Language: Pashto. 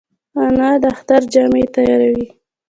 انا د اختر جامې تیاروي